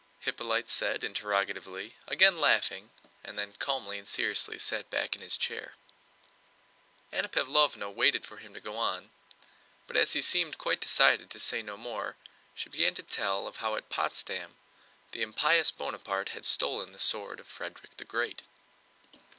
Hippolyte said interrogatively, again laughing, and then calmly and seriously sat back in his chair. Anna Pávlovna waited for him to go on, but as he seemed quite decided to say no more she began to tell of how at Potsdam the impious Bonaparte had stolen the sword of Frederick the Great.